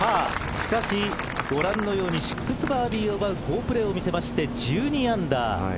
しかしご覧のように６バーディーを奪う好プレーを見せて１２アンダー。